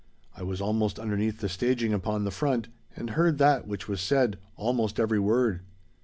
I was almost underneath the staging upon the front, and heard that which was said, almost every word.